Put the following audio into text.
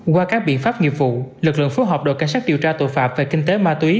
qua các biện pháp nghiệp vụ lực lượng phối hợp đội cảnh sát điều tra tội phạm về kinh tế ma túy